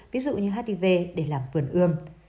ví dụ như hiv để làm vườn ươm